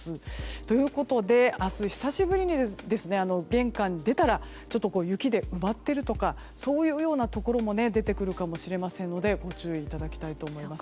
ということで明日、久しぶりに玄関出たら雪で埋まっているとかそういうところも出てくるかもしれませんのでご注意いただきたいと思います。